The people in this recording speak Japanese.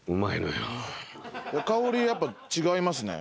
香りやっぱ違いますね。